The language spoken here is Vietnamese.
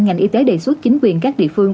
ngành y tế đề xuất chính quyền các địa phương